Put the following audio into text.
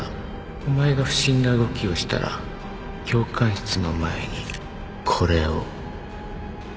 お前が不審な動きをしたら教官室の前にこれを捨てる